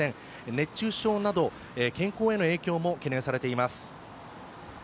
熱中症など健康への影響も懸念されています。